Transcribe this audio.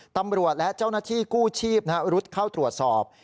ตำรวจและเจ้าหน้าที่กู้ชีพรุดเข้าตรวจสอบ